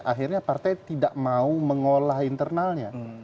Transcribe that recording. akhirnya partai tidak mau mengolah internalnya